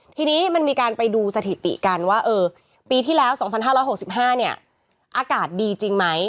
ทีนี้มันมีการไปดูสถิติกันว่าปีที่แล้ว๒๕๖๕เนี่ยอากาศดีจริงไหม